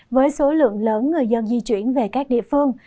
với số lượng lớn người dân di chuyển về các địa phương